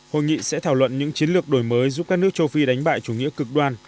hội nghị sẽ thảo luận những chiến lược đổi mới giúp các nước châu phi đánh bại chủ nghĩa cực đoan